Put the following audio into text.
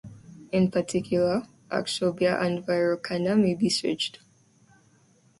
In particular, Akshobhya and Vairocana may be switched.